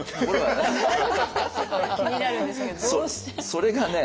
それがね